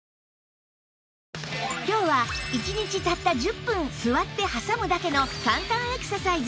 今日は１日たった１０分座って挟むだけの簡単エクササイズ